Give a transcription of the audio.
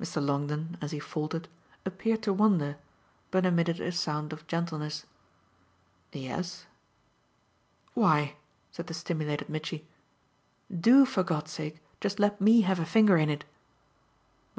Mr. Longdon, as he faltered, appeared to wonder, but emitted a sound of gentleness. "Yes?" "Why," said the stimulated Mitchy, "do, for God's sake, just let me have a finger in it." Mr.